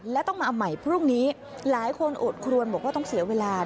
และต้องมาใหม่พรุ่งนี้หลายคนโอดครวนบอกว่าต้องเสียเวลา